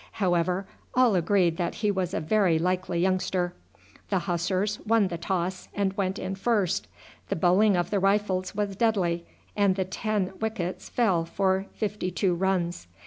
However, all agreed that he was a very likely youngster. The Hussars won the toss, and went in first. The bowling of the Rifles was deadly, and the ten wickets fell for fifty two runs.